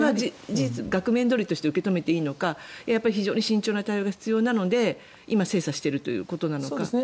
額面どおり受け取っていいのかやっぱり非常に慎重な対応が必要なので今、精査しているということなのか。